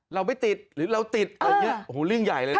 เราไม่ติดหรือเราติดอะไรอย่างนี้โอ้โหเรื่องใหญ่เลยนะ